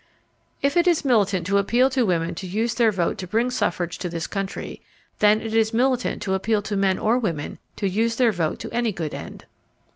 If it is militant to appeal to women to use their vote to bring suffrage to this country, then it is militant to appeal to men or women to use their vote to any good end.